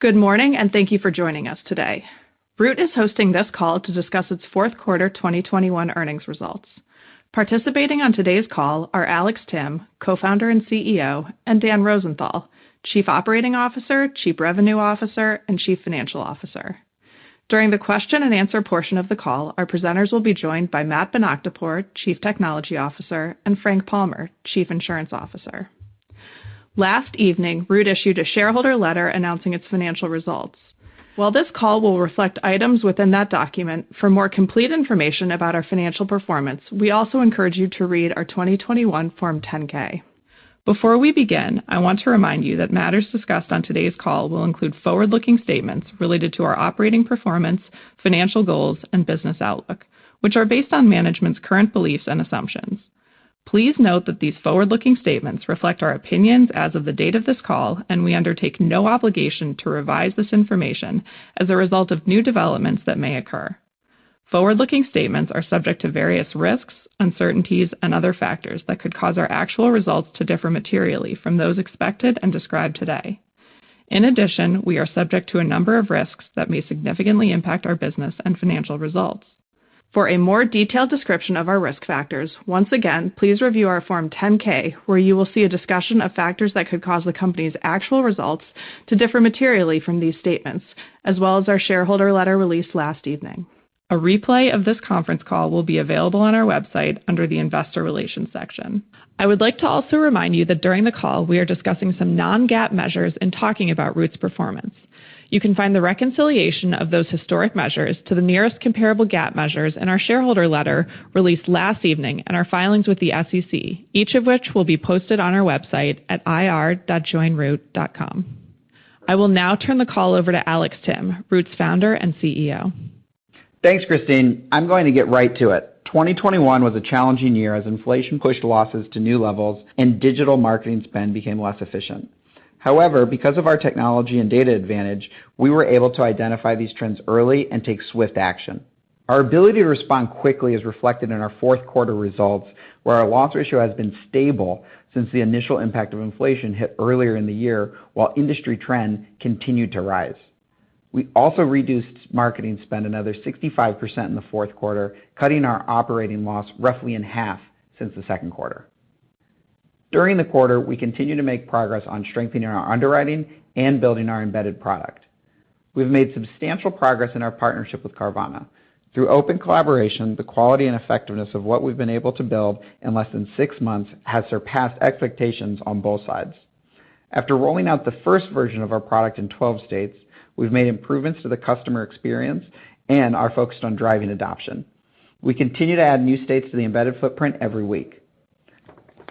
Good morning, and thank you for joining us today. Root is hosting this call to discuss its fourth quarter 2021 earnings results. Participating on today's call are Alex Timm, Co-founder and CEO, and Dan Rosenthal, Chief Operating Officer, Chief Revenue Officer, and Chief Financial Officer. During the question and answer portion of the call, our presenters will be joined by Matt Bonakdarpour, Chief Technology Officer, and Frank Palmer, Chief Insurance Officer. Last evening, Root issued a shareholder letter announcing its financial results. While this call will reflect items within that document, for more complete information about our financial performance, we also encourage you to read our 2021 Form 10-K. Before we begin, I want to remind you that matters discussed on today's call will include forward-looking statements related to our operating performance, financial goals, and business outlook, which are based on management's current beliefs and assumptions. Please note that these forward-looking statements reflect our opinions as of the date of this call, and we undertake no obligation to revise this information as a result of new developments that may occur. Forward-looking statements are subject to various risks, uncertainties, and other factors that could cause our actual results to differ materially from those expected and described today. In addition, we are subject to a number of risks that may significantly impact our business and financial results. For a more detailed description of our risk factors, once again, please review our Form 10-K, where you will see a discussion of factors that could cause the company's actual results to differ materially from these statements, as well as our shareholder letter released last evening. A replay of this conference call will be available on our website under the Investor Relations section. I would like to also remind you that during the call, we are discussing some non-GAAP measures in talking about Root's performance. You can find the reconciliation of those historic measures to the nearest comparable GAAP measures in our shareholder letter released last evening and our filings with the SEC, each of which will be posted on our website at ir.joinroot.com. I will now turn the call over to Alex Timm, Root's Founder and CEO. Thanks, Christine. I'm going to get right to it. 2021 was a challenging year as inflation pushed losses to new levels and digital marketing spend became less efficient. However, because of our technology and data advantage, we were able to identify these trends early and take swift action. Our ability to respond quickly is reflected in our fourth quarter results, where our loss ratio has been stable since the initial impact of inflation hit earlier in the year, while industry trend continued to rise. We also reduced marketing spend another 65% in the fourth quarter, cutting our operating loss roughly in half since the second quarter. During the quarter, we continued to make progress on strengthening our underwriting and building our embedded product. We've made substantial progress in our partnership with Carvana. Through open collaboration, the quality and effectiveness of what we've been able to build in less than six months has surpassed expectations on both sides. After rolling out the first version of our product in 12 states, we've made improvements to the customer experience and are focused on driving adoption. We continue to add new states to the embedded footprint every week.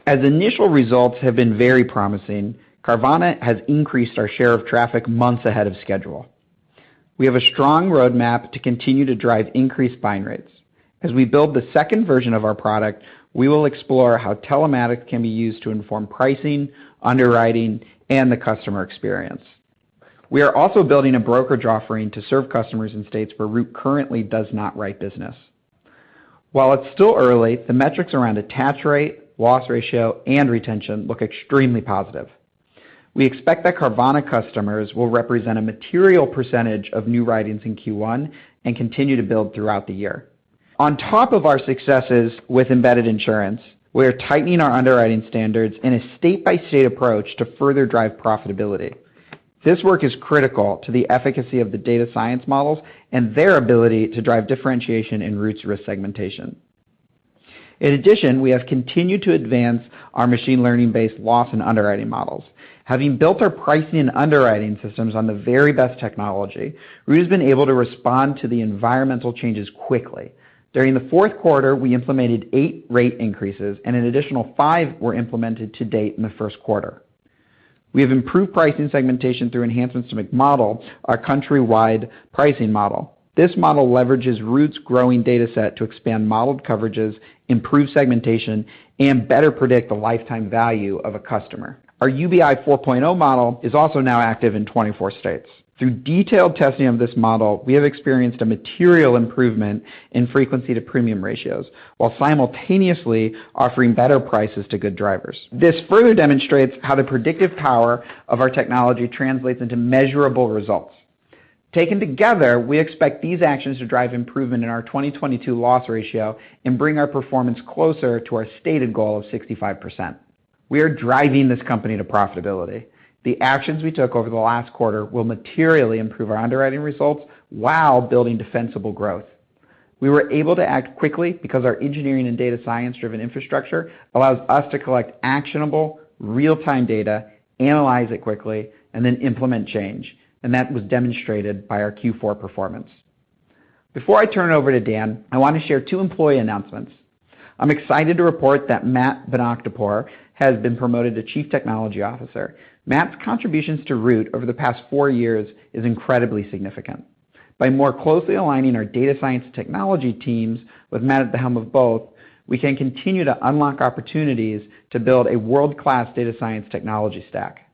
As initial results have been very promising, Carvana has increased our share of traffic months ahead of schedule. We have a strong roadmap to continue to drive increased buying rates. As we build the second version of our product, we will explore how telematics can be used to inform pricing, underwriting, and the customer experience. We are also building a brokerage offering to serve customers in states where Root currently does not write business. While it's still early, the metrics around attach rate, loss ratio, and retention look extremely positive. We expect that Carvana customers will represent a material percentage of new writings in Q1 and continue to build throughout the year. On top of our successes with embedded insurance, we are tightening our underwriting standards in a state-by-state approach to further drive profitability. This work is critical to the efficacy of the data science models and their ability to drive differentiation in Root's risk segmentation. In addition, we have continued to advance our machine learning-based loss and underwriting models. Having built our pricing and underwriting systems on the very best technology, Root has been able to respond to the environmental changes quickly. During the fourth quarter, we implemented 8 rate increases, and an additional 5 were implemented to date in the first quarter. We have improved pricing segmentation through enhancements to McModel, our countrywide pricing model. This model leverages Root's growing data set to expand modeled coverages, improve segmentation, and better predict the lifetime value of a customer. Our UBI 4.0 model is also now active in 24 states. Through detailed testing of this model, we have experienced a material improvement in frequency to premium ratios while simultaneously offering better prices to good drivers. This further demonstrates how the predictive power of our technology translates into measurable results. Taken together, we expect these actions to drive improvement in our 2022 loss ratio and bring our performance closer to our stated goal of 65%. We are driving this company to profitability. The actions we took over the last quarter will materially improve our underwriting results while building defensible growth. We were able to act quickly because our engineering and data science-driven infrastructure allows us to collect actionable real-time data, analyze it quickly, and then implement change, and that was demonstrated by our Q4 performance. Before I turn it over to Dan, I want to share two employee announcements. I'm excited to report that Matt Bonakdarpour has been promoted to Chief Technology Officer. Matt's contributions to Root over the past four years is incredibly significant. By more closely aligning our data science technology teams with Matt at the helm of both, we can continue to unlock opportunities to build a world-class data science technology stack.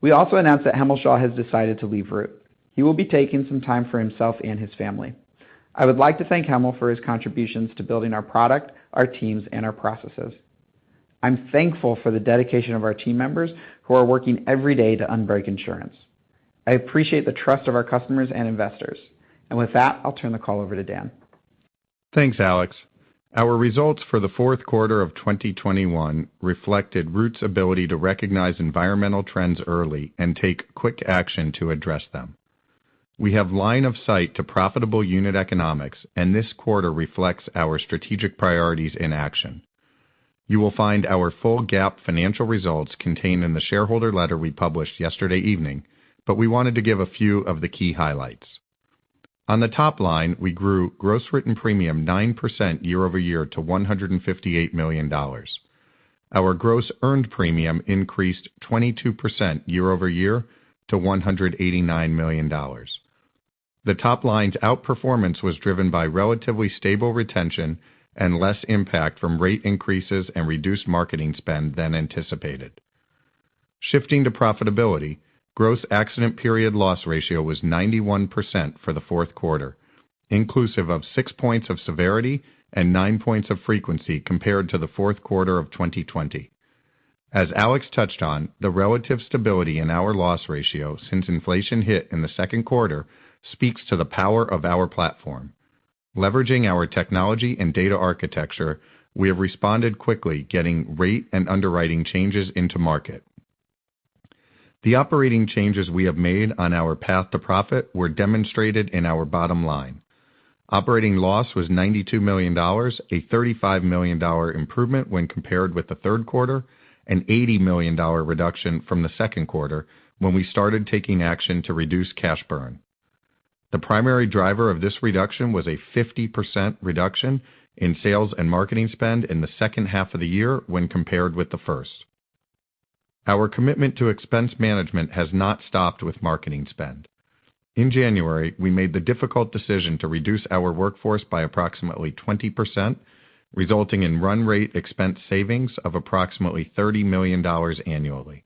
We also announced that Hemal Shah has decided to leave Root. He will be taking some time for himself and his family. I would like to thank Hemal for his contributions to building our product, our teams, and our processes. I'm thankful for the dedication of our team members who are working every day to unbreak insurance. I appreciate the trust of our customers and investors. With that, I'll turn the call over to Dan. Thanks, Alex. Our results for the fourth quarter of 2021 reflected Root's ability to recognize environmental trends early and take quick action to address them. We have line of sight to profitable unit economics, and this quarter reflects our strategic priorities in action. You will find our full GAAP financial results contained in the shareholder letter we published yesterday evening, but we wanted to give a few of the key highlights. On the top line, we grew gross written premium 9% year-over-year to $158 million. Our gross earned premium increased 22% year-over-year to $189 million. The top line's outperformance was driven by relatively stable retention and less impact from rate increases and reduced marketing spend than anticipated. Shifting to profitability, gross accident period loss ratio was 91% for the fourth quarter, inclusive of 6 points of severity and 9 points of frequency compared to the fourth quarter of 2020. As Alex touched on, the relative stability in our loss ratio since inflation hit in the second quarter speaks to the power of our platform. Leveraging our technology and data architecture, we have responded quickly, getting rate and underwriting changes into market. The operating changes we have made on our path to profit were demonstrated in our bottom line. Operating loss was $92 million, a $35 million improvement when compared with the third quarter, an $80 million reduction from the second quarter when we started taking action to reduce cash burn. The primary driver of this reduction was a 50% reduction in sales and marketing spend in the second half of the year when compared with the first. Our commitment to expense management has not stopped with marketing spend. In January, we made the difficult decision to reduce our workforce by approximately 20%, resulting in run rate expense savings of approximately $30 million annually.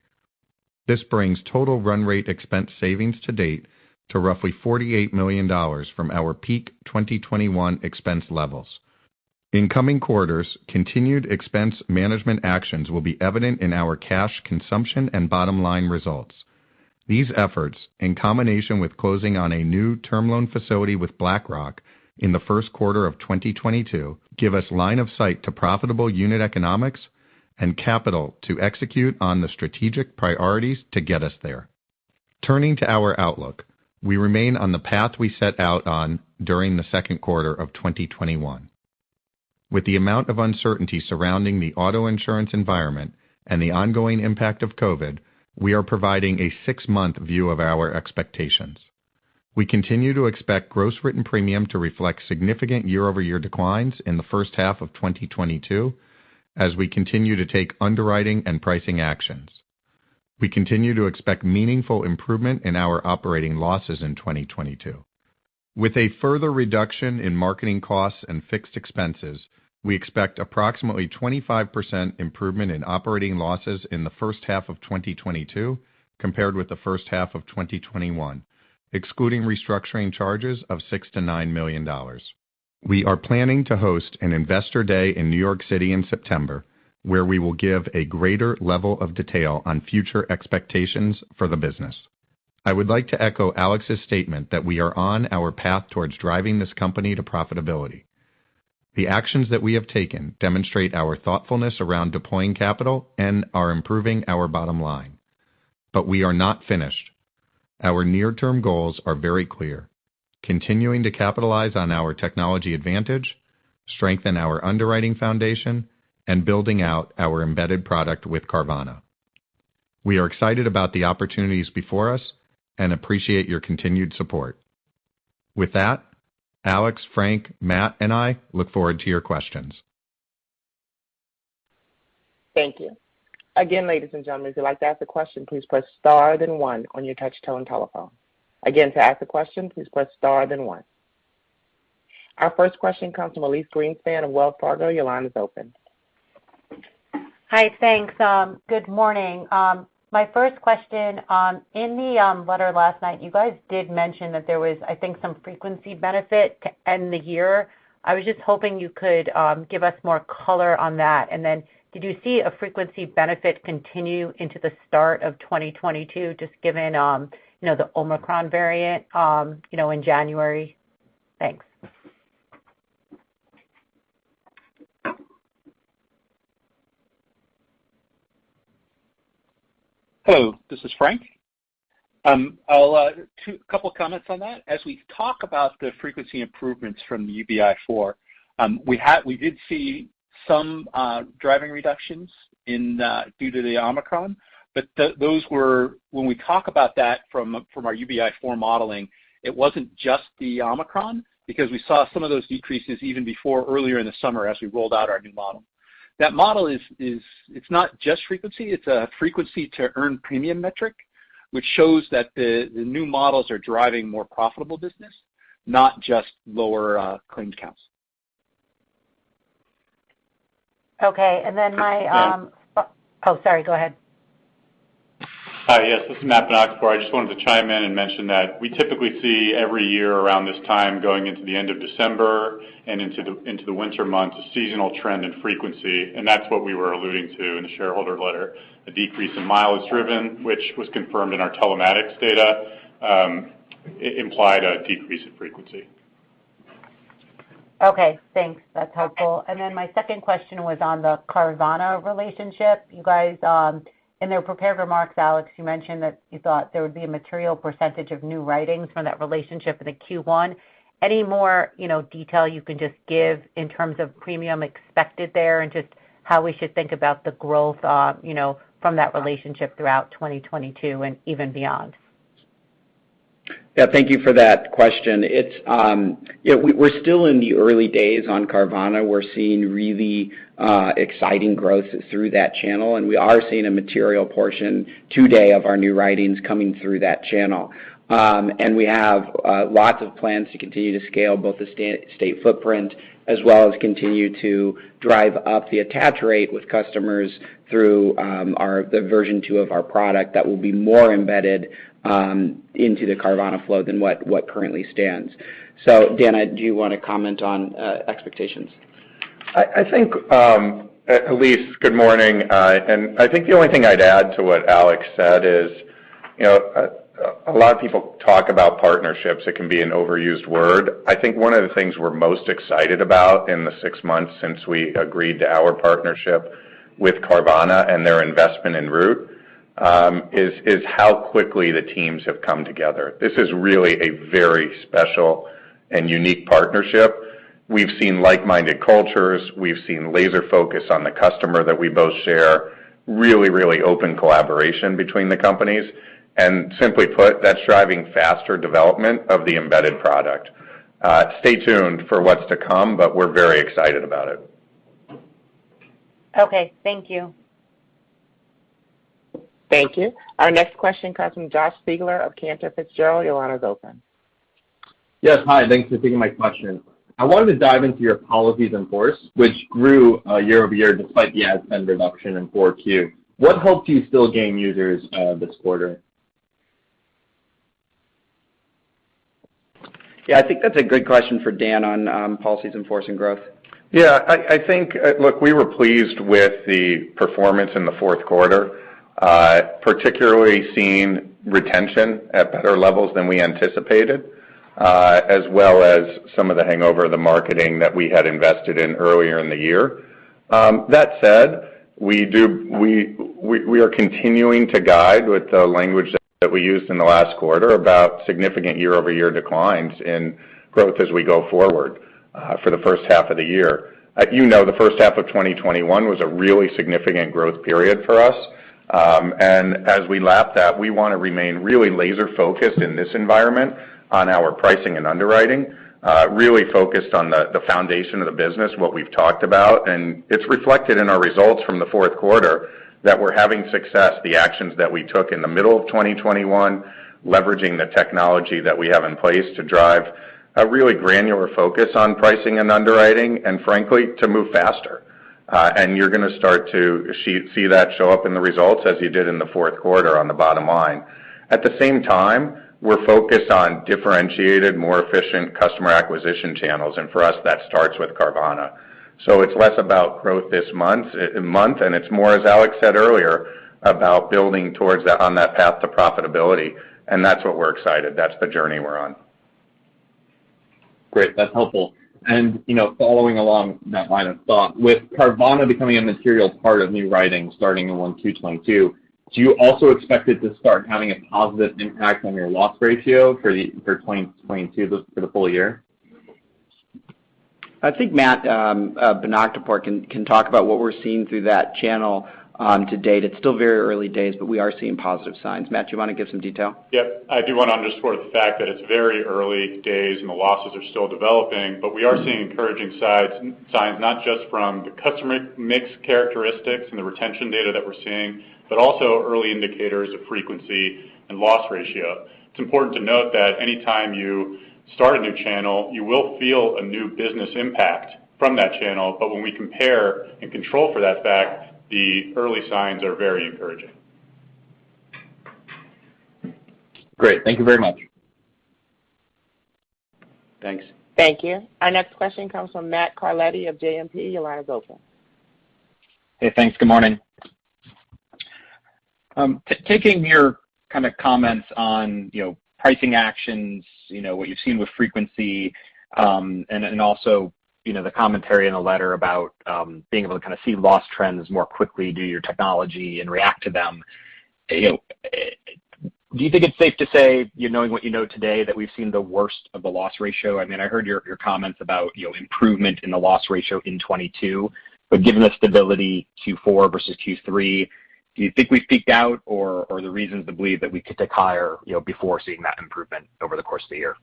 This brings total run rate expense savings to date to roughly $48 million from our peak 2021 expense levels. In coming quarters, continued expense management actions will be evident in our cash consumption and bottom line results. These efforts, in combination with closing on a new term loan facility with BlackRock in the first quarter of 2022, give us line of sight to profitable unit economics and capital to execute on the strategic priorities to get us there. Turning to our outlook, we remain on the path we set out on during the second quarter of 2021. With the amount of uncertainty surrounding the auto insurance environment and the ongoing impact of COVID, we are providing a six-month view of our expectations. We continue to expect gross written premium to reflect significant year-over-year declines in the first half of 2022 as we continue to take underwriting and pricing actions. We continue to expect meaningful improvement in our operating losses in 2022. With a further reduction in marketing costs and fixed expenses, we expect approximately 25% improvement in operating losses in the first half of 2022 compared with the first half of 2021, excluding restructuring charges of $6 million-$9 million. We are planning to host an investor day in New York City in September, where we will give a greater level of detail on future expectations for the business. I would like to echo Alex's statement that we are on our path towards driving this company to profitability. The actions that we have taken demonstrate our thoughtfulness around deploying capital and are improving our bottom line. We are not finished. Our near-term goals are very clear, continuing to capitalize on our technology advantage, strengthen our underwriting foundation, and building out our embedded product with Carvana. We are excited about the opportunities before us and appreciate your continued support. With that, Alex, Frank, Matt, and I look forward to your questions. Thank you. Again, ladies and gentlemen, if you'd like to ask a question, please press star then one on your touch-tone telephone. Again, to ask a question, please press star then one. Our first question comes from Elyse Greenspan of Wells Fargo. Your line is open. Hi. Thanks. Good morning. My first question, in the letter last night, you guys did mention that there was, I think, some frequency benefit to end the year. I was just hoping you could give us more color on that. Did you see a frequency benefit continue into the start of 2022, just given, you know, the Omicron variant, you know, in January? Thanks. Hello, this is Frank. I'll a couple of comments on that. As we talk about the frequency improvements from the UBI 4, we did see some driving reductions due to the Omicron, but when we talk about that from our UBI 4 modeling, it wasn't just the Omicron, because we saw some of those decreases even before earlier in the summer as we rolled out our new model. That model is not just frequency, it's a frequency to earn premium metric, which shows that the new models are driving more profitable business, not just lower claim counts. Okay. Go ahead. Oh, sorry. Go ahead. Hi, yes, this is Matt Bonakdarpour. I just wanted to chime in and mention that we typically see every year around this time going into the end of December and into the winter months, a seasonal trend in frequency, and that's what we were alluding to in the shareholder letter. A decrease in miles driven, which was confirmed in our telematics data, it implied a decrease in frequency. Okay, thanks. That's helpful. My second question was on the Carvana relationship. You guys, in their prepared remarks, Alex, you mentioned that you thought there would be a material percentage of new writings from that relationship in the Q1. Any more, you know, detail you can just give in terms of premium expected there and just how we should think about the growth, you know, from that relationship throughout 2022 and even beyond. Yeah, thank you for that question. It's yeah, we're still in the early days on Carvana. We're seeing really exciting growth through that channel, and we are seeing a material portion today of our new writings coming through that channel. And we have lots of plans to continue to scale both the state footprint as well as continue to drive up the attach rate with customers through our the version two of our product that will be more embedded into the Carvana flow than what currently stands. Dan, do you wanna comment on expectations? I think, Elyse, good morning. I think the only thing I'd add to what Alex said is, you know, a lot of people talk about partnerships. It can be an overused word. I think one of the things we're most excited about in the six months since we agreed to our partnership with Carvana and their investment in Root, is how quickly the teams have come together. This is really a very special and unique partnership. We've seen like-minded cultures. We've seen laser focus on the customer that we both share, really, really open collaboration between the companies. Simply put, that's driving faster development of the embedded product. Stay tuned for what's to come, but we're very excited about it. Okay, thank you. Thank you. Our next question comes from Josh Siegler of Cantor Fitzgerald. Your line is open. Yes. Hi. Thanks for taking my question. I wanted to dive into your policies in force, which grew year-over-year despite the ad spend reduction in Q4. What helped you still gain users this quarter? Yeah, I think that's a good question for Dan on, policies in force and growth. Yeah, I think, look, we were pleased with the performance in the fourth quarter, particularly seeing retention at better levels than we anticipated, as well as some of the hangover of the marketing that we had invested in earlier in the year. That said, we are continuing to guide with the language that we used in the last quarter about significant year-over-year declines in growth as we go forward, for the first half of the year. You know, the first half of 2021 was a really significant growth period for us. As we lap that, we wanna remain really laser-focused in this environment on our pricing and underwriting, really focused on the foundation of the business, what we've talked about. It's reflected in our results from the fourth quarter that we're having success, the actions that we took in the middle of 2021, leveraging the technology that we have in place to drive a really granular focus on pricing and underwriting, and frankly, to move faster. You're gonna start to see that show up in the results as you did in the fourth quarter on the bottom line. At the same time, we're focused on differentiated, more efficient customer acquisition channels, and for us, that starts with Carvana. It's less about growth month-over-month, and it's more, as Alex said earlier, about building towards that on that path to profitability. That's what we're excited. That's the journey we're on. Great. That's helpful. You know, following along that line of thought, with Carvana becoming a material part of new writings starting in Q1 2022, do you also expect it to start having a positive impact on your loss ratio for 2022 for the full year? I think Matt Bonakdarpour can talk about what we're seeing through that channel, to date. It's still very early days, but we are seeing positive signs. Matt Bonakdarpour, do you wanna give some detail? Yep. I do wanna underscore the fact that it's very early days and the losses are still developing, but we are seeing encouraging signs not just from the customer mix characteristics and the retention data that we're seeing, but also early indicators of frequency and loss ratio. It's important to note that any time you start a new channel, you will feel a new business impact from that channel. When we compare and control for that fact, the early signs are very encouraging. Great. Thank you very much. Thanks. Thank you. Our next question comes from Matt Carletti of JMP. Your line is open. Hey, thanks. Good morning. Taking your comments on, you know, pricing actions, you know, what you've seen with frequency, and also, you know, the commentary in the letter about being able to kinda see loss trends more quickly due to your technology and react to them. You know, do you think it's safe to say, you knowing what you know today, that we've seen the worst of the loss ratio? I mean, I heard your comments about, you know, improvement in the loss ratio in 2022. Given the stability Q4 versus Q3, do you think we've peaked out, or the reasons to believe that we could tick higher, you know, before seeing that improvement over the course of the year?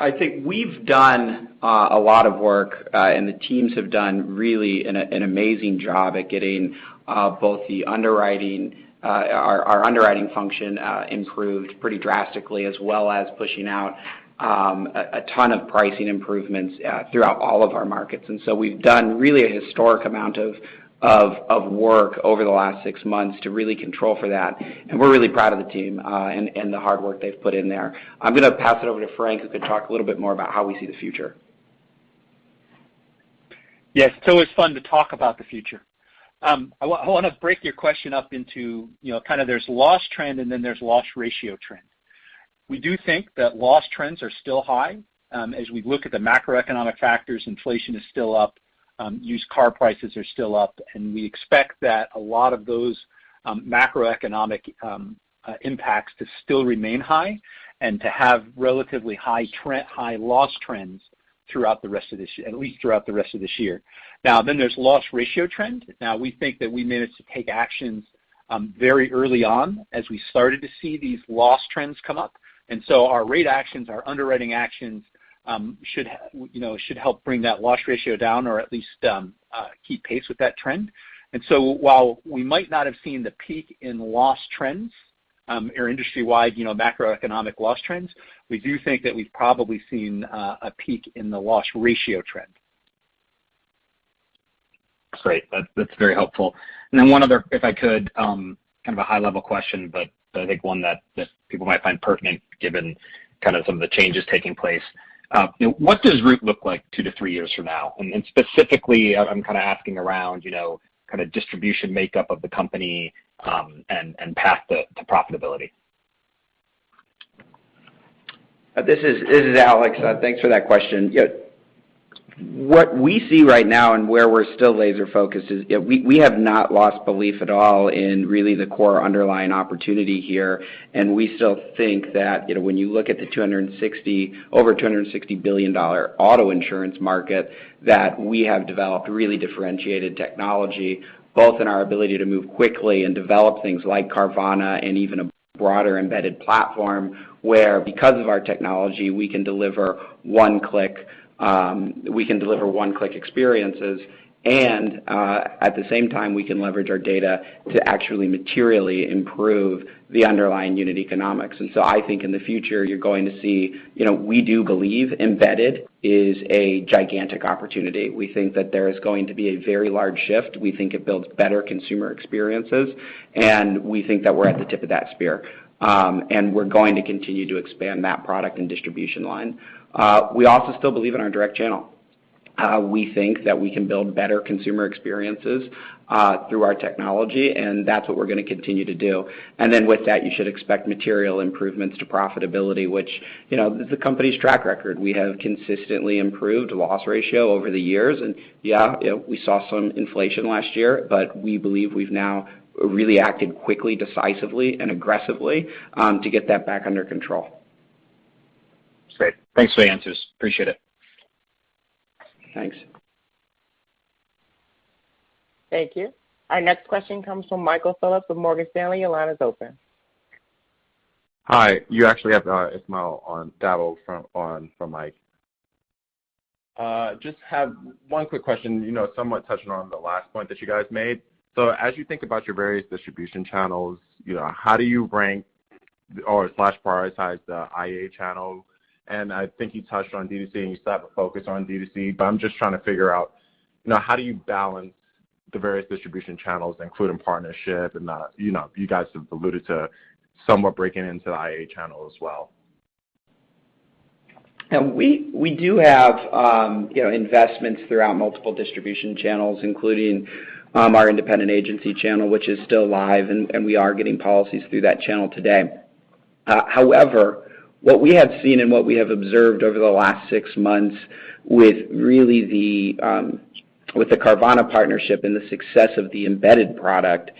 I think we've done a lot of work, and the teams have done really an amazing job at getting both the underwriting our underwriting function improved pretty drastically, as well as pushing out a ton of pricing improvements throughout all of our markets. We've done really a historic amount of work over the last six months to really control for that. We're really proud of the team and the hard work they've put in there. I'm gonna pass it over to Frank, who could talk a little bit more about how we see the future. Yes. It's always fun to talk about the future. I wanna break your question up into, you know, kind of there's loss trend and then there's loss ratio trend. We do think that loss trends are still high. As we look at the macroeconomic factors, inflation is still up, used car prices are still up, and we expect that a lot of those macroeconomic impacts to still remain high and to have relatively high loss trends throughout the rest of this year, at least throughout the rest of this year. Now, then there's loss ratio trend. Now, we think that we managed to take actions very early on as we started to see these loss trends come up. Our rate actions, our underwriting actions, you know, should help bring that loss ratio down or at least keep pace with that trend. While we might not have seen the peak in loss trends or industry-wide, you know, macroeconomic loss trends, we do think that we've probably seen a peak in the loss ratio trend. Great. That's very helpful. One other, if I could, kind of a high level question, but I think one that people might find pertinent given kind of some of the changes taking place. What does Root look like 2-3 years from now? Specifically, I'm kinda asking around, you know, kinda distribution makeup of the company, and path to profitability. This is Alex. Thanks for that question. Yeah. What we see right now and where we're still laser-focused is we have not lost belief at all in really the core underlying opportunity here. We still think that, you know, when you look at the over $260 billion auto insurance market, that we have developed really differentiated technology, both in our ability to move quickly and develop things like Carvana and even a broader embedded platform, where because of our technology, we can deliver one-click experiences. At the same time, we can leverage our data to actually materially improve the underlying unit economics. I think in the future, you're going to see, you know, we do believe embedded is a gigantic opportunity. We think that there is going to be a very large shift. We think it builds better consumer experiences, and we think that we're at the tip of that spear. We're going to continue to expand that product and distribution line. We also still believe in our direct channel. We think that we can build better consumer experiences through our technology, and that's what we're gonna continue to do. With that, you should expect material improvements to profitability, which, you know, is the company's track record. We have consistently improved loss ratio over the years. Yeah, we saw some inflation last year, but we believe we've now really acted quickly, decisively, and aggressively to get that back under control. Great. Thanks for the answers. Appreciate it. Thanks. Thank you. Our next question comes from Michael Phillips of Morgan Stanley. Your line is open. Hi, you actually have Ismaeil Dabo from Mike. I just have one quick question, you know, somewhat touching on the last point that you guys made. As you think about your various distribution channels, you know, how do you rank or slash prioritize the IA channel? I think you touched on D2C, and you still have a focus on D2C, but I'm just trying to figure out, you know, how do you balance the various distribution channels, including partnership and the, you know, you guys have alluded to somewhat breaking into the IA channel as well. We do have you know investments throughout multiple distribution channels, including our independent agency channel, which is still live, and we are getting policies through that channel today. However, what we have seen and what we have observed over the last six months with the Carvana partnership and the success of the embedded product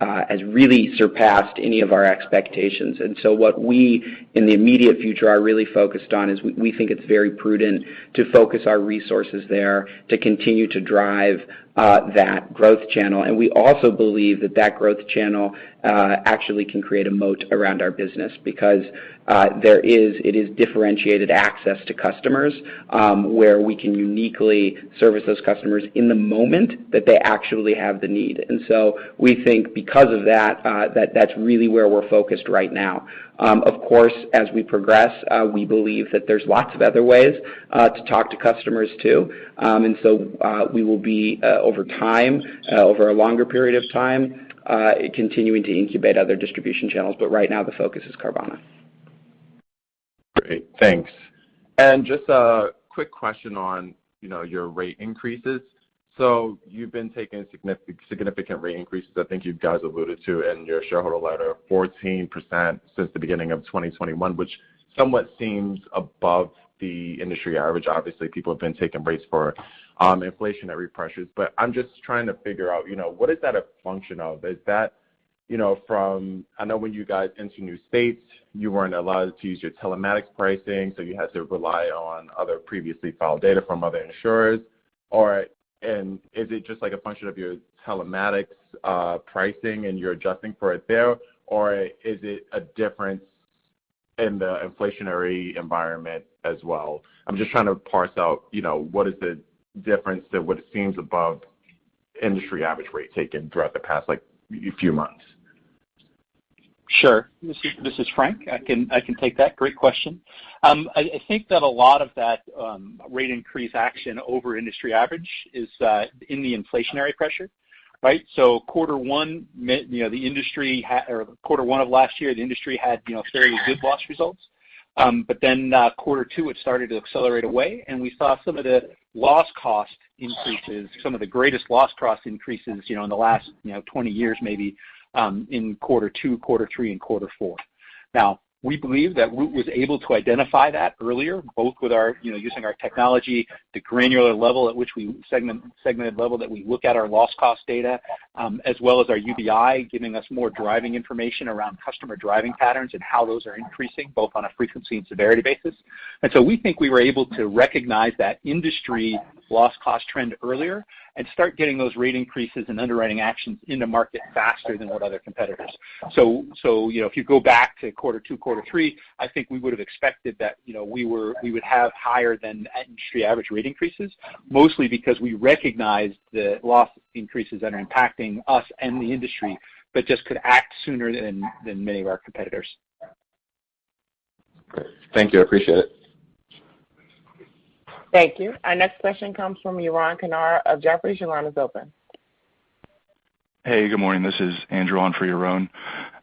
has really surpassed any of our expectations. What we in the immediate future are really focused on is we think it's very prudent to focus our resources there to continue to drive that growth channel. We also believe that growth channel actually can create a moat around our business because it is differentiated access to customers where we can uniquely service those customers in the moment that they actually have the need. We think because of that that's really where we're focused right now. Of course, as we progress, we believe that there's lots of other ways to talk to customers too. We will be, over time, over a longer period of time, continuing to incubate other distribution channels. Right now, the focus is Carvana. Great. Thanks. Just a quick question on, you know, your rate increases. You've been taking significant rate increases. I think you guys alluded to in your shareholder letter, 14% since the beginning of 2021, which somewhat seems above the industry average. Obviously, people have been taking rates for inflationary pressures. I'm just trying to figure out, you know, what is that a function of? Is that, you know, from I know when you guys enter new states, you weren't allowed to use your telematics pricing, so you had to rely on other previously filed data from other insurers. Is it just like a function of your telematics pricing and you're adjusting for it there? Is it a difference in the inflationary environment as well? I'm just trying to parse out, you know, what is the difference to what it seems above industry average rate taken throughout the past, like few months. Sure. This is Frank. I can take that. Great question. I think that a lot of that rate increase action over industry average is in the inflationary pressure, right? Quarter one of last year, the industry had you know, very good loss results. Quarter two, it started to accelerate away, and we saw some of the loss cost increases, some of the greatest loss cost increases, you know, in the last 20 years, maybe, in quarter two, quarter three, and quarter four. Now, we believe that Root was able to identify that earlier, both with our, you know, using our technology, the granular level at which we segment the segmented level that we look at our loss cost data, as well as our UBI, giving us more driving information around customer driving patterns and how those are increasing both on a frequency and severity basis. We think we were able to recognize that industry loss cost trend earlier and start getting those rate increases and underwriting actions in the market faster than what other competitors. you know, if you go back to quarter two, quarter three, I think we would have expected that, you know, we would have higher than industry average rate increases, mostly because we recognized the loss increases that are impacting us and the industry, but just could act sooner than many of our competitors. Great. Thank you. I appreciate it. Thank you. Our next question comes from Yaron Kinar of Jefferies. Yaron is open. Hey, good morning. This is Andrew on for Yaron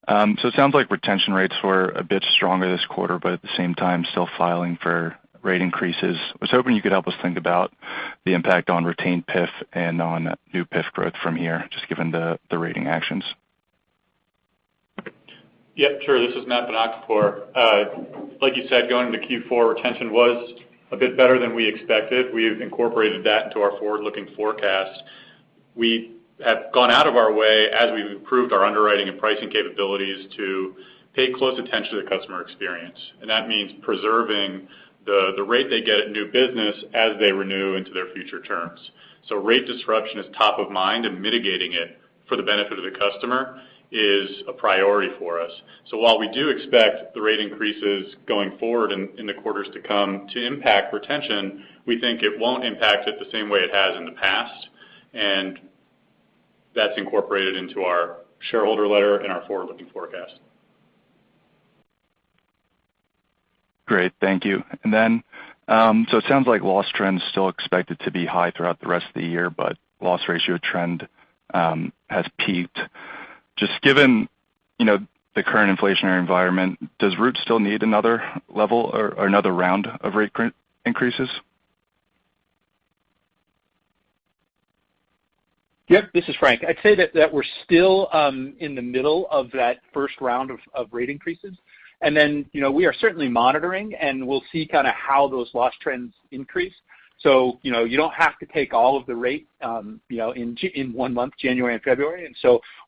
Kinar. It sounds like retention rates were a bit stronger this quarter, but at the same time, still filing for rate increases. I was hoping you could help us think about the impact on retained PIF and on new PIF growth from here, just given the rating actions. Yeah, sure. This is Matt Bonakdarpour. Like you said, going into Q4, retention was a bit better than we expected. We've incorporated that into our forward-looking forecast. We have gone out of our way as we've improved our underwriting and pricing capabilities to pay close attention to the customer experience. That means preserving the rate they get at new business as they renew into their future terms. Rate disruption is top of mind, and mitigating it for the benefit of the customer is a priority for us. While we do expect the rate increases going forward in the quarters to come to impact retention, we think it won't impact it the same way it has in the past. That's incorporated into our shareholder letter and our forward-looking forecast. Great. Thank you. It sounds like loss trends still expected to be high throughout the rest of the year, but loss ratio trend has peaked. Just given, you know, the current inflationary environment, does Root still need another level or another round of rate increases? Yep. This is Frank. I'd say that we're still in the middle of that first round of rate increases. You know, we are certainly monitoring, and we'll see kinda how those loss trends increase. You know, you don't have to take all of the rate, you know, in one month, January and February.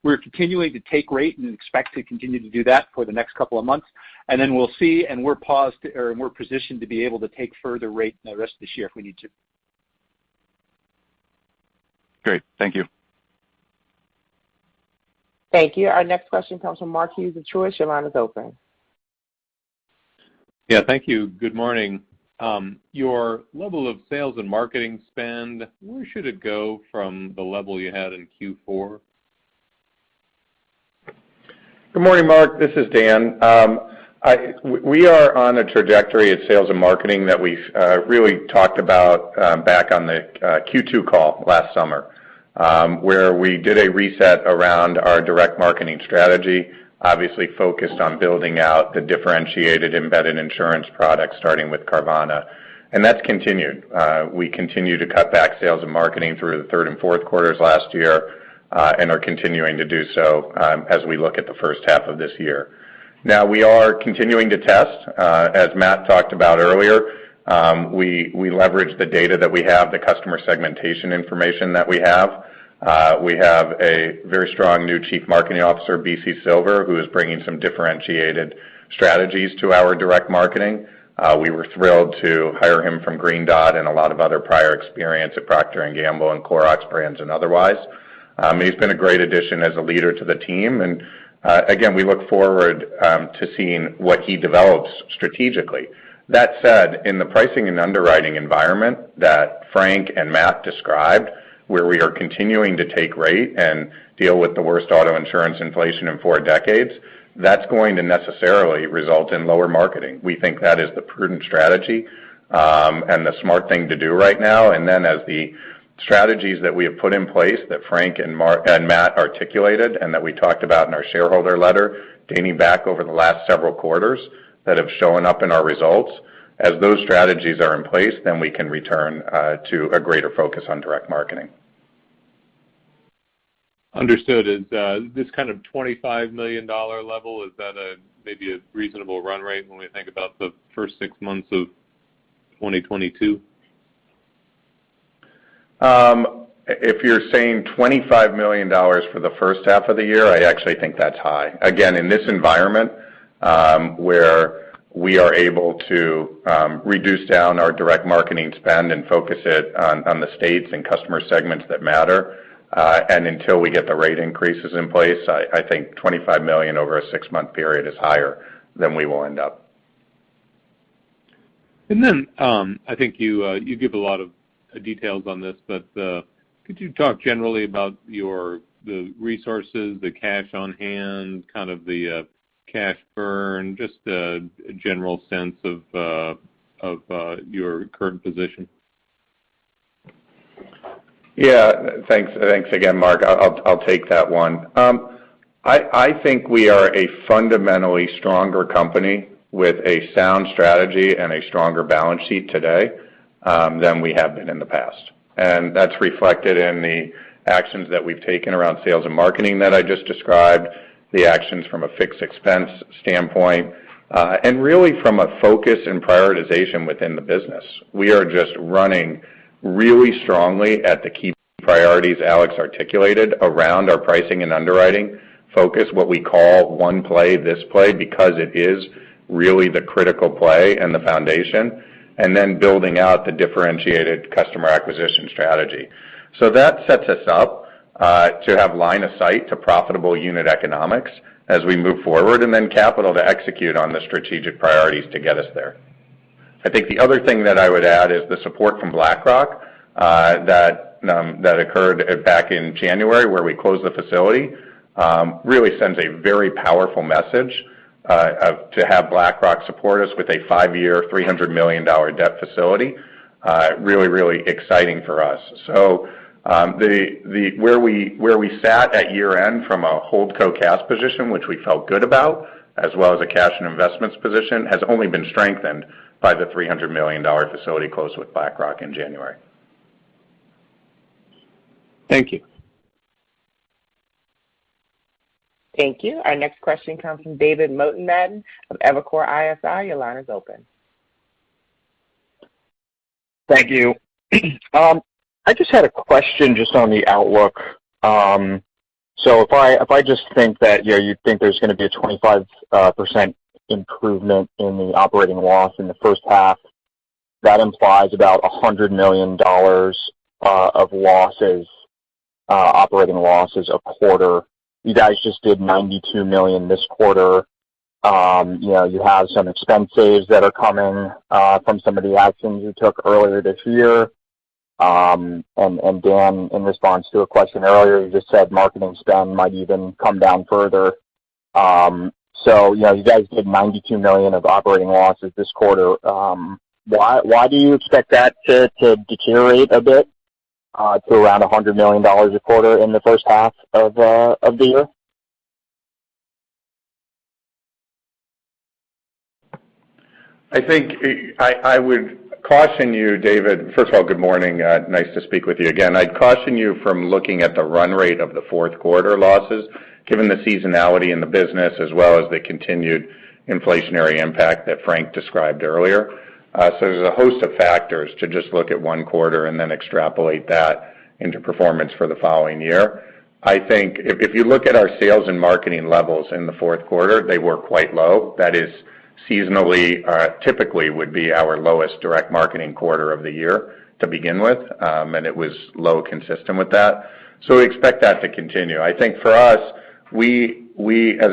We're continuing to take rate and expect to continue to do that for the next couple of months. We'll see, and we're poised or we're positioned to be able to take further rate in the rest of this year if we need to. Great. Thank you. Thank you. Our next question comes from Mark Hughes of Truist. Your line is open. Yeah, thank you. Good morning. Your level of sales and marketing spend, where should it go from the level you had in Q4? Good morning, Mark. This is Dan. We are on a trajectory of sales and marketing that we've really talked about back on the Q2 call last summer, where we did a reset around our direct marketing strategy, obviously focused on building out the differentiated embedded insurance product, starting with Carvana. That's continued. We continue to cut back sales and marketing through the third and fourth quarters last year and are continuing to do so as we look at the first half of this year. Now, we are continuing to test as Matt talked about earlier. We leverage the data that we have, the customer segmentation information that we have. We have a very strong new Chief Marketing Officer, B.C. Silver, who is bringing some differentiated strategies to our direct marketing. We were thrilled to hire him from Green Dot and a lot of other prior experience at Procter & Gamble and Clorox brands and otherwise. He's been a great addition as a leader to the team. Again, we look forward to seeing what he develops strategically. That said, in the pricing and underwriting environment that Frank and Matt described, where we are continuing to take rate and deal with the worst auto insurance inflation in four decades, that's going to necessarily result in lower marketing. We think that is the prudent strategy, and the smart thing to do right now. As the strategies that we have put in place that Frank and Matt articulated and that we talked about in our shareholder letter, dating back over the last several quarters that have shown up in our results, as those strategies are in place, then we can return to a greater focus on direct marketing. Understood. Is this kind of $25 million level maybe a reasonable run rate when we think about the first six months of 2022? If you're saying $25 million for the first half of the year, I actually think that's high. Again, in this environment, where we are able to reduce down our direct marketing spend and focus it on the states and customer segments that matter, and until we get the rate increases in place, I think $25 million over a six-month period is higher than we will end up. I think you give a lot of details on this, but could you talk generally about your resources, the cash on hand, kind of the cash burn, just a general sense of your current position? Yeah. Thanks. Thanks again, Mark. I'll take that one. I think we are a fundamentally stronger company with a sound strategy and a stronger balance sheet today than we have been in the past. That's reflected in the actions that we've taken around sales and marketing that I just described, the actions from a fixed expense standpoint, and really from a focus and prioritization within the business. We are just running really strongly at the key priorities Alex articulated around our pricing and underwriting focus, what we call one play, this play, because it is really the critical play and the foundation, and then building out the differentiated customer acquisition strategy. That sets us up to have line of sight to profitable unit economics as we move forward, and then capital to execute on the strategic priorities to get us there. I think the other thing that I would add is the support from BlackRock that occurred back in January, where we closed the facility, really sends a very powerful message to have BlackRock support us with a five-year, $300 million debt facility, really exciting for us. The position where we sat at year-end from a holdco cash position, which we felt good about, as well as a cash and investments position, has only been strengthened by the $300 million facility close with BlackRock in January. Thank you. Thank you. Our next question comes from David Motemaden of Evercore ISI. Your line is open. Thank you. I just had a question just on the outlook. If I just think that, you know, you think there's gonna be a 25% improvement in the operating loss in the first half, that implies about $100 million of losses, operating losses a quarter. You guys just did $92 million this quarter. You know, you have some expenses that are coming from some of the actions you took earlier this year. And Dan, in response to a question earlier, you just said marketing spend might even come down further. You know, you guys did $92 million of operating losses this quarter. Why do you expect that to deteriorate a bit to around $100 million a quarter in the first half of the year? I think I would caution you, David. First of all, good morning. Nice to speak with you again. I'd caution you from looking at the run rate of the fourth quarter losses, given the seasonality in the business as well as the continued inflationary impact that Frank described earlier. There's a host of factors to just look at one quarter and then extrapolate that into performance for the following year. I think if you look at our sales and marketing levels in the fourth quarter, they were quite low. That is seasonally typically would be our lowest direct marketing quarter of the year to begin with, and it was low consistent with that. We expect that to continue. I think for us, as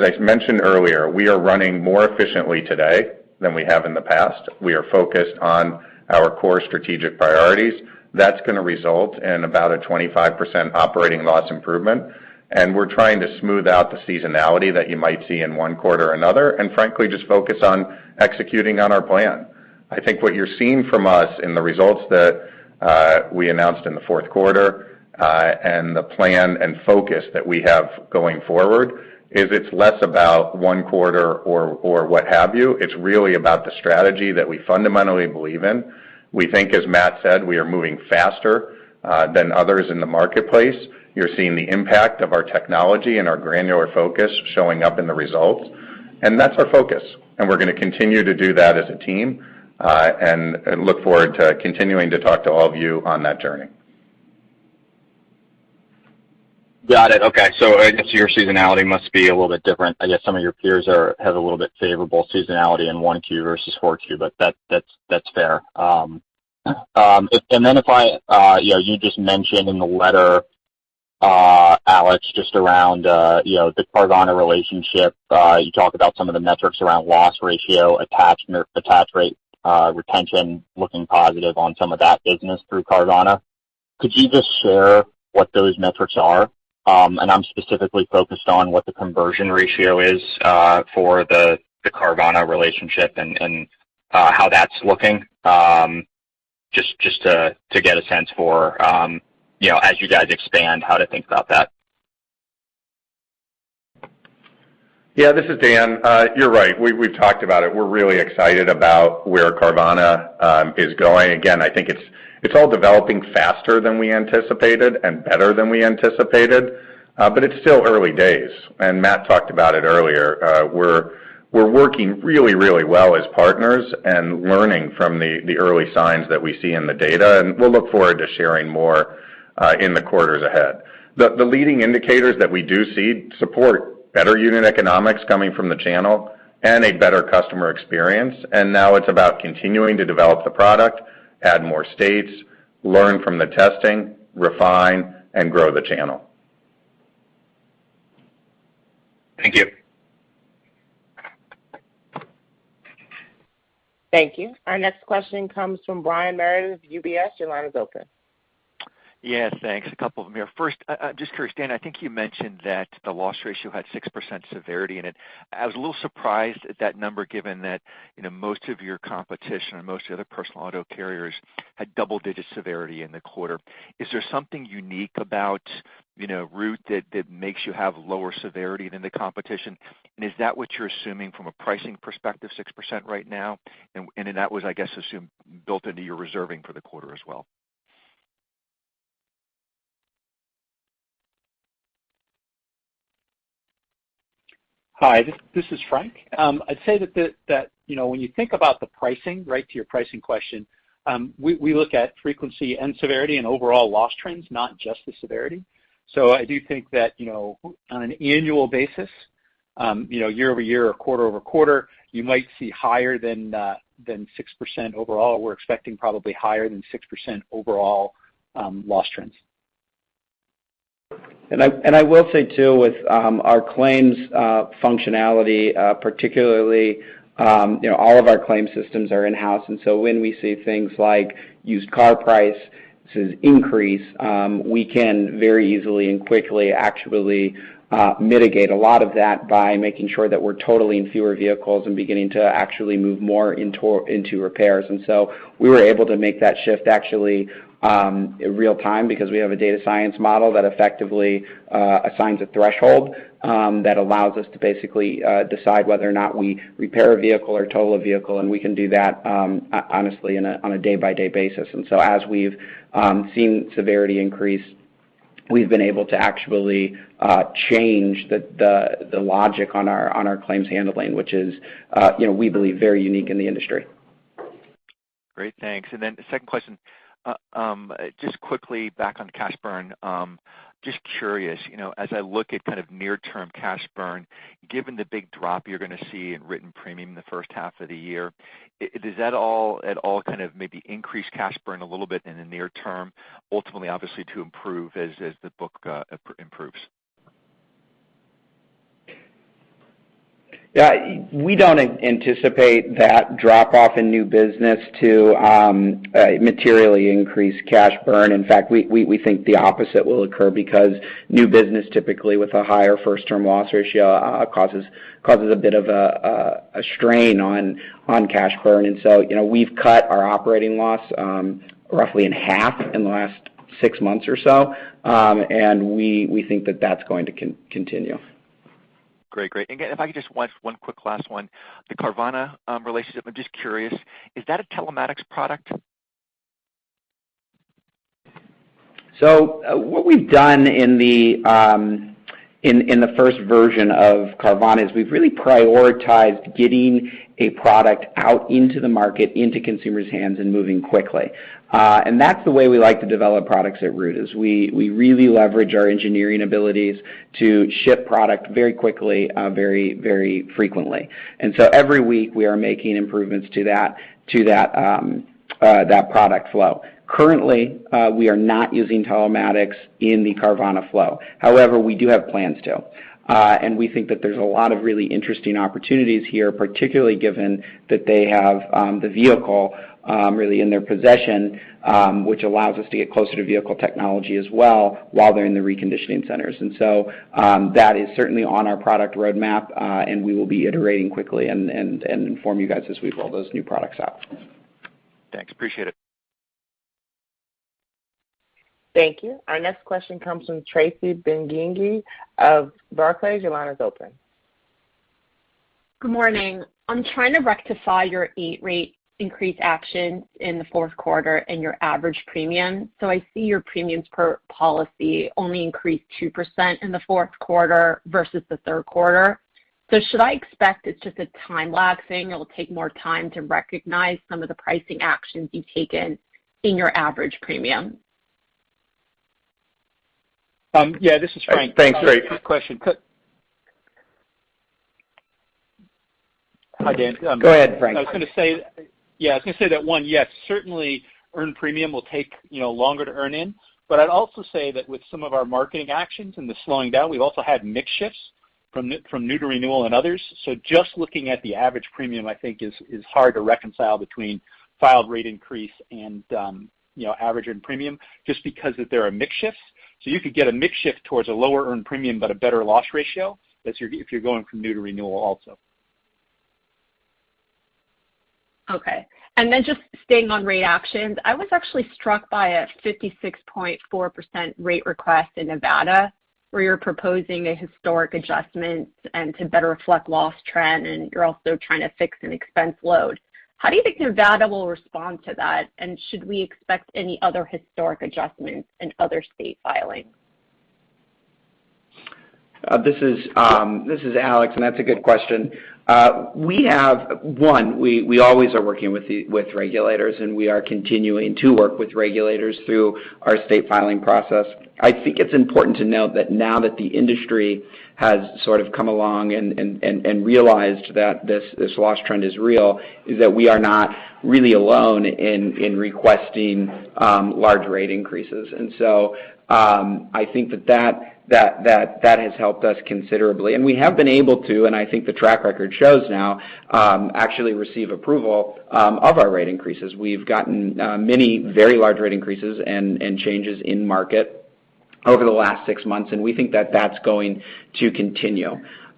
I mentioned earlier, we are running more efficiently today than we have in the past. We are focused on our core strategic priorities. That's gonna result in about a 25% operating loss improvement, and we're trying to smooth out the seasonality that you might see in one quarter or another, and frankly, just focus on executing on our plan. I think what you're seeing from us in the results that we announced in the fourth quarter and the plan and focus that we have going forward is it's less about one quarter or what have you. It's really about the strategy that we fundamentally believe in. We think, as Matt said, we are moving faster than others in the marketplace. You're seeing the impact of our technology and our granular focus showing up in the results, and that's our focus. We're gonna continue to do that as a team, and look forward to continuing to talk to all of you on that journey. Got it. Okay. I guess your seasonality must be a little bit different. I guess some of your peers have a little bit favorable seasonality in one Q versus four Q, but that's fair. If and then if I you know you just mentioned in the letter Alex just around you know the Carvana relationship you talk about some of the metrics around loss ratio attach rate retention looking positive on some of that business through Carvana. Could you just share what those metrics are? I'm specifically focused on what the conversion ratio is for the Carvana relationship and how that's looking just to get a sense for you know as you guys expand how to think about that. Yeah, this is Dan. You're right, we've talked about it. We're really excited about where Carvana is going. Again, I think it's all developing faster than we anticipated and better than we anticipated. It's still early days, and Matt talked about it earlier. We're working really well as partners and learning from the early signs that we see in the data, and we'll look forward to sharing more in the quarters ahead. The leading indicators that we do see support better unit economics coming from the channel and a better customer experience. Now it's about continuing to develop the product, add more states, learn from the testing, refine, and grow the channel. Thank you. Thank you. Our next question comes from Brian Meredith, UBS. Your line is open. Yeah, thanks. A couple of them here. First, just curious, Dan, I think you mentioned that the loss ratio had 6% severity in it. I was a little surprised at that number given that, you know, most of your competition or most of the other personal auto carriers had double-digit severity in the quarter. Is there something unique about, you know, Root that makes you have lower severity than the competition? And is that what you're assuming from a pricing perspective, 6% right now? And then that was, I guess, assumed built into your reserving for the quarter as well. Hi, this is Frank. I'd say that, you know, when you think about the pricing, right to your pricing question, we look at frequency and severity and overall loss trends, not just the severity. I do think that, you know, on an annual basis, year-over-year or quarter-over-quarter, you might see higher than 6% overall. We're expecting probably higher than 6% overall loss trends. I will say, too, with our claims functionality, particularly, you know, all of our claim systems are in-house. When we see things like used car prices increase, we can very easily and quickly actually mitigate a lot of that by making sure that we're totaling fewer vehicles and beginning to actually move more into repairs. We were able to make that shift actually in real time because we have a data science model that effectively assigns a threshold that allows us to basically decide whether or not we repair a vehicle or tow a vehicle, and we can do that honestly, on a day-by-day basis. As we've seen severity increase, we've been able to actually change the logic on our claims handling, which is, you know, we believe, very unique in the industry. Great. Thanks. The second question, just quickly back on cash burn. Just curious, you know, as I look at kind of near-term cash burn, given the big drop you're gonna see in written premium in the first half of the year, does that at all kind of maybe increase cash burn a little bit in the near term, ultimately obviously to improve as the book improves? Yeah. We don't anticipate that drop-off in new business to materially increase cash burn. In fact, we think the opposite will occur because new business, typically with a higher first-term loss ratio, causes a bit of a strain on cash burn. You know, we've cut our operating loss roughly in half in the last six months or so, and we think that that's going to continue. Great. If I could just one quick last one. The Carvana relationship, I'm just curious, is that a telematics product? What we've done in the first version of Carvana is we've really prioritized getting a product out into the market, into consumers' hands and moving quickly. That's the way we like to develop products at Root, is we really leverage our engineering abilities to ship product very quickly, very frequently. Every week, we are making improvements to that product flow. Currently, we are not using telematics in the Carvana flow. However, we do have plans to. We think that there's a lot of really interesting opportunities here, particularly given that they have the vehicle really in their possession, which allows us to get closer to vehicle technology as well while they're in the reconditioning centers. That is certainly on our product roadmap. We will be iterating quickly and inform you guys as we roll those new products out. Thanks. Appreciate it. Thank you. Our next question comes from Tracy Benguigui of Barclays. Your line is open. Good morning. I'm trying to rectify your rate increase action in the fourth quarter and your average premium. I see your premiums per policy only increased 2% in the fourth quarter versus the third quarter. Should I expect it's just a time lapse, it'll take more time to recognize some of the pricing actions you've taken in your average premium? Yeah, this is Frank. Thanks, Tracy. Good question. Hi, Dan. Go ahead, Frank. I was gonna say, yeah, that one, yes, certainly earned premium will take, you know, longer to earn in. I'd also say that with some of our marketing actions and the slowing down, we've also had mix shifts from new to renewal and others. Just looking at the average premium, I think, is hard to reconcile between filed rate increase and, you know, average earned premium just because there are mix shifts. You could get a mix shift towards a lower earned premium, but a better loss ratio if you're going from new to renewal also. Okay. Just staying on rate actions, I was actually struck by a 56.4% rate request in Nevada, where you're proposing a historic adjustment and to better reflect loss trend, and you're also trying to fix an expense load. How do you think Nevada will respond to that? Should we expect any other historic adjustments in other state filings? This is Alex, and that's a good question. We always are working with regulators, and we are continuing to work with regulators through our state filing process. I think it's important to note that now that the industry has sort of come along and realized that this loss trend is real, that we are not really alone in requesting large rate increases. I think that has helped us considerably. We have been able to, and I think the track record shows now, actually receive approval of our rate increases. We've gotten many very large rate increases and changes in market over the last six months, and we think that that's going to continue.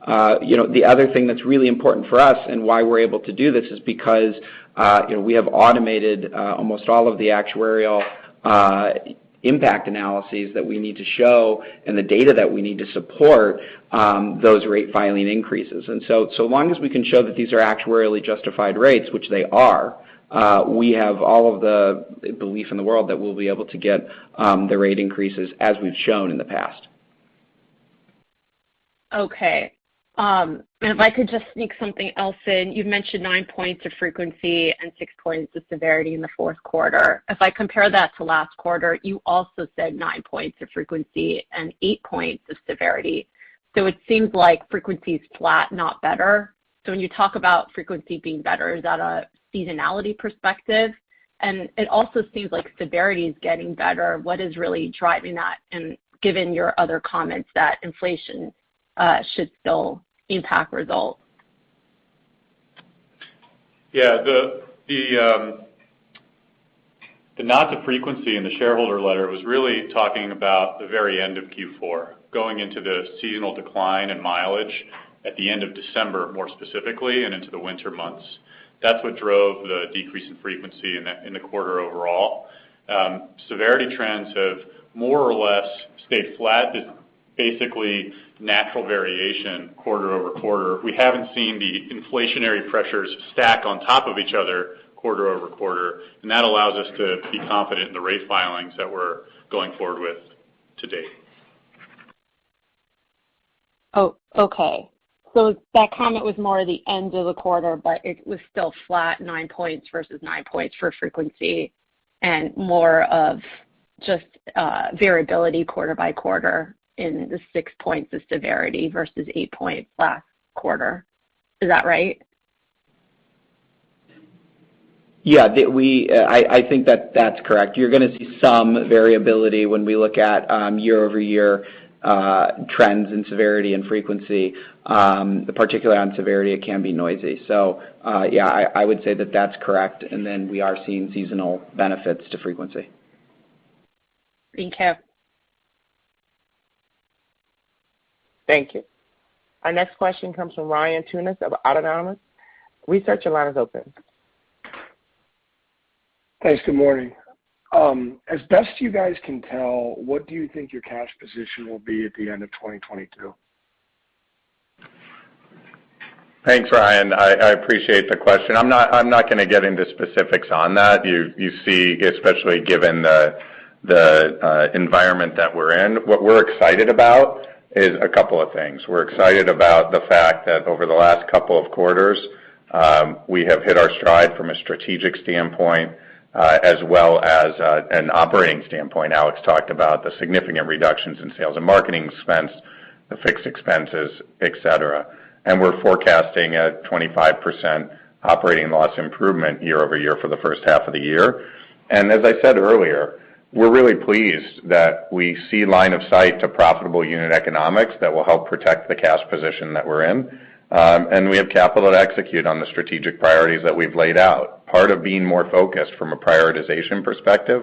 You know, the other thing that's really important for us and why we're able to do this is because, you know, we have automated almost all of the actuarial impact analyses that we need to show and the data that we need to support those rate filing increases. So long as we can show that these are actuarially justified rates, which they are, we have all of the belief in the world that we'll be able to get the rate increases as we've shown in the past. Okay. If I could just sneak something else in. You've mentioned 9 points of frequency and 6 points of severity in the fourth quarter. If I compare that to last quarter, you also said 9 points of frequency and 8 points of severity. It seems like frequency is flat, not better. When you talk about frequency being better, is that a seasonality perspective? It also seems like severity is getting better. What is really driving that? Given your other comments that inflation should still impact results. Yeah. The loss frequency in the shareholder letter was really talking about the very end of Q4, going into the seasonal decline in mileage at the end of December, more specifically, and into the winter months. That's what drove the decrease in frequency in the quarter overall. Severity trends have more or less stayed flat. It's basically natural variation quarter-over-quarter. We haven't seen the inflationary pressures stack on top of each other quarter-over-quarter, and that allows us to be confident in the rate filings that we're going forward with to date. Oh, okay. That comment was more the end of the quarter, but it was still flat 9 points versus 9 points for frequency and more of just variability quarter by quarter in the 6 points of severity versus 8 points last quarter. Is that right? Yeah. I think that's correct. You're gonna see some variability when we look at year-over-year trends in severity and frequency, particularly on severity. It can be noisy. Yeah, I would say that that's correct. We are seeing seasonal benefits to frequency. Thank you. Thank you. Our next question comes from Ryan Tunis of Autonomous Research. Your line is open. Thanks. Good morning. As best you guys can tell, what do you think your cash position will be at the end of 2022? Thanks, Ryan. I appreciate the question. I'm not gonna get into specifics on that. You see, especially given the environment that we're in. What we're excited about is a couple of things. We're excited about the fact that over the last couple of quarters, we have hit our stride from a strategic standpoint, as well as an operating standpoint. Alex talked about the significant reductions in sales and marketing expense, the fixed expenses, et cetera. We're forecasting a 25% operating loss improvement year-over-year for the first half of the year. As I said earlier, we're really pleased that we see line of sight to profitable unit economics that will help protect the cash position that we're in, and we have capital to execute on the strategic priorities that we've laid out. Part of being more focused from a prioritization perspective,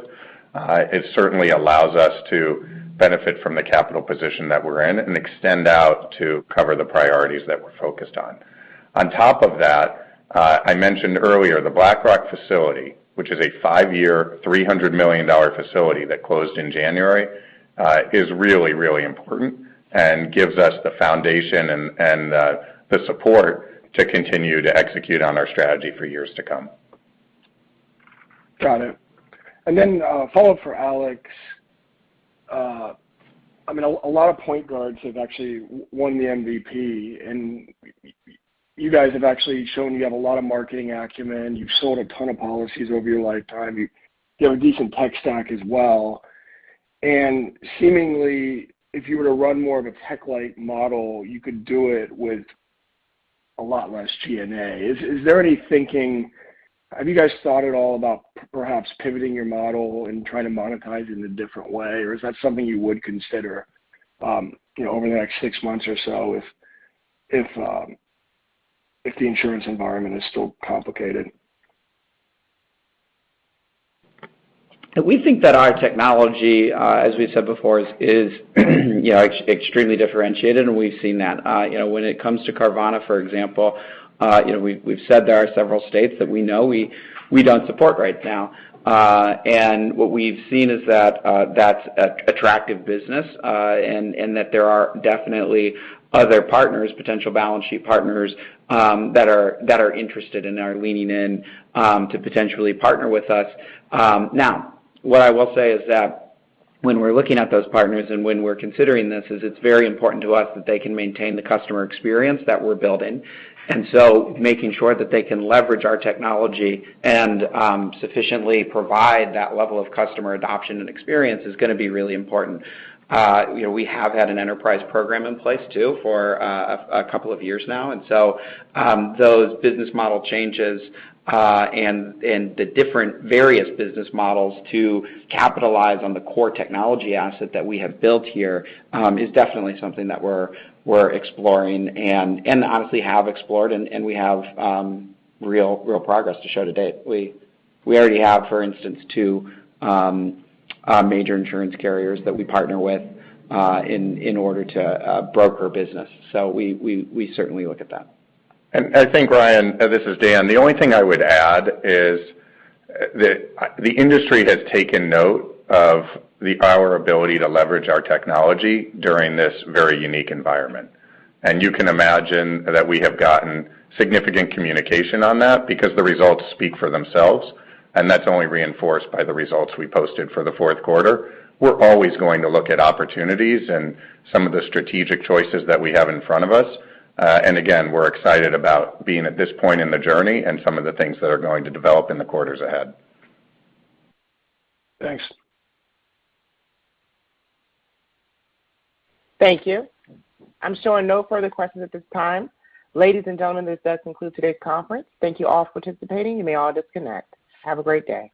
it certainly allows us to benefit from the capital position that we're in and extend out to cover the priorities that we're focused on. On top of that, I mentioned earlier the BlackRock facility, which is a five-year, $300 million facility that closed in January, is really, really important and gives us the foundation and the support to continue to execute on our strategy for years to come. Got it. Then, follow-up for Alex. I mean, a lot of point guards have actually won the MVP, and you guys have actually shown you have a lot of marketing acumen. You've sold a ton of policies over your lifetime. You have a decent tech stack as well. Seemingly, if you were to run more of a tech-like model, you could do it with a lot less G&A. Is there any thinking? Have you guys thought at all about perhaps pivoting your model and trying to monetize it in a different way? Or is that something you would consider, you know, over the next six months or so if the insurance environment is still complicated? We think that our technology, as we said before, is, you know, extremely differentiated, and we've seen that. When it comes to Carvana, for example, we've said there are several states that we know we don't support right now. What we've seen is that's attractive business, and that there are definitely other partners, potential balance sheet partners, that are interested and are leaning in, to potentially partner with us. Now what I will say is that when we're looking at those partners and when we're considering this, it's very important to us that they can maintain the customer experience that we're building. Making sure that they can leverage our technology and sufficiently provide that level of customer adoption and experience is gonna be really important. You know, we have had an enterprise program in place too for a couple of years now. Those business model changes and the different various business models to capitalize on the core technology asset that we have built here is definitely something that we're exploring and honestly have explored, and we have real progress to show to date. We already have, for instance, two major insurance carriers that we partner with in order to broker business. We certainly look at that. I think, Ryan, this is Dan. The only thing I would add is that the industry has taken note of our ability to leverage our technology during this very unique environment. You can imagine that we have gotten significant communication on that because the results speak for themselves, and that's only reinforced by the results we posted for the fourth quarter. We're always going to look at opportunities and some of the strategic choices that we have in front of us. We're excited about being at this point in the journey and some of the things that are going to develop in the quarters ahead. Thanks. Thank you. I'm showing no further questions at this time. Ladies and gentlemen, this does conclude today's conference. Thank you all for participating. You may all disconnect. Have a great day.